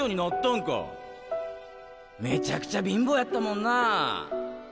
めちゃくちゃ貧乏やったもんなあ。